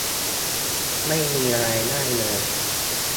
ไม่มีอะไรง่ายเลย